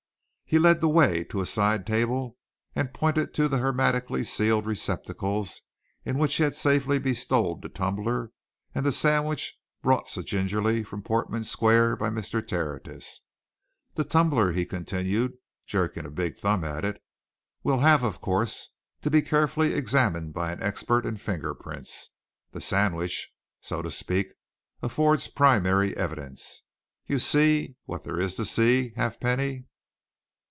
He led the way to a side table and pointed to the hermetically sealed receptacles in which he had safely bestowed the tumbler and the sandwich brought so gingerly from Portman Square by Mr. Tertius. "The tumbler," he continued, jerking a big thumb at it, "will have, of course, to be carefully examined by an expert in finger prints; the sandwich, so to speak, affords primary evidence. You see what there is to see, Halfpenny?"